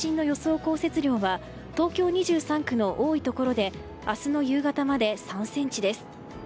降雪量は東京２３区の多いところで明日の夕方まで３ｃｍです。